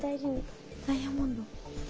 ダイヤモンド。